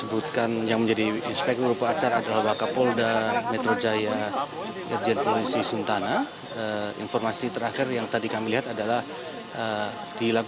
beritulah imam gilang adinata